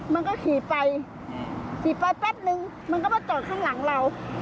มันก็ขี่ไปขี่ไปแป๊บนึงมันก็มาจอดข้างหลังเรา